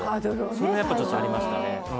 それはちょっとありましたね